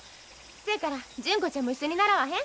せやから純子ちゃんも一緒に習わへん？